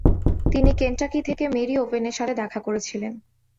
তিনি কেন্টাকি থেকে মেরি ওভেনের সাথে দেখা করেছিলেন।